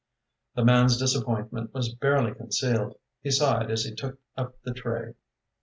The man's disappointment was barely concealed. He sighed as he took up the tray.